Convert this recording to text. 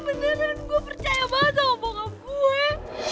bokap gue beneran gue percaya banget sama bokap gue